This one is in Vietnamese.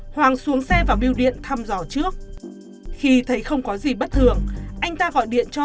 hoàng xuống xe và biêu điện thăm dò trước khi thấy không có gì bất thường anh ta gọi điện cho